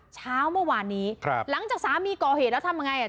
เช้าเมื่อวานนี้ครับหลังจากสามีก่อเหตุแล้วทำยังไงอ่ะ